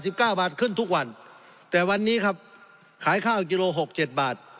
เก้าบาทขึ้นทุกวันแต่วันนี้ครับขายข้าวกิโลหกเจ็ดบาท